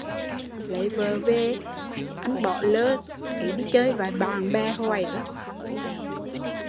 Lấy vợ về, anh bỏ lơ đi chơi với bạn bè